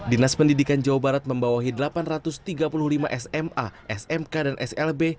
dinas pendidikan jawa barat membawahi delapan ratus tiga puluh lima sma smk dan slb